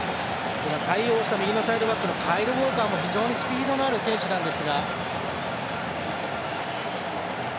対応した右のサイドバックカイル・ウォーカーも非常にスピードのある選手です。